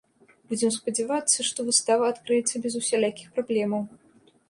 Будзем спадзявацца, што выстава адкрыецца без усялякіх праблемаў.